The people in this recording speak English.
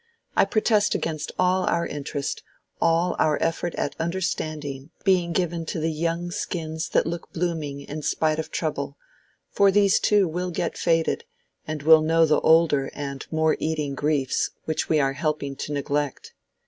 I protest against all our interest, all our effort at understanding being given to the young skins that look blooming in spite of trouble; for these too will get faded, and will know the older and more eating griefs which we are helping to neglect.